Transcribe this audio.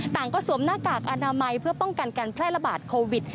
ต่างก็สวมหน้ากากอนามัยเพื่อป้องกันการแพร่ระบาดโควิด